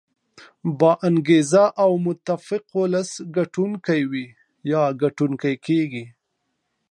با انګیزه او متفق ولس ګټل کیږي.